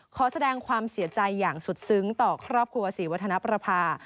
ขอแสดงความเสียใจอย่างสุดซึ้งต่อครอบครัวศรีวัฒนประภา